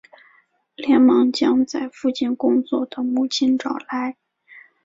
连忙将在附近工作的母亲找来